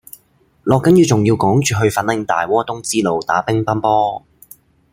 落緊雨仲要趕住去粉嶺大窩東支路打乒乓波